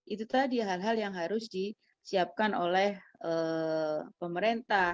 itu tadi hal hal yang harus disiapkan oleh pemerintah